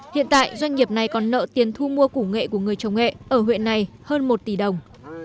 hiện tại doanh nghiệp này còn nợ tiền thu mua củ nghệ của người trồng nghệ ở huyện này hơn một tỷ đồng